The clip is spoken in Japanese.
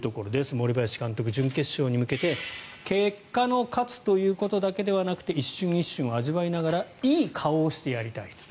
森林監督準決勝に向けて結果の勝つということだけではなく一瞬一瞬を味わいながらいい顔をしてやりたい。